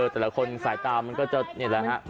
แต่ละคนสายตามันก็จะนี่แหละฮะ